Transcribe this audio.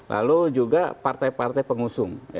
lalu juga partai partai pengusung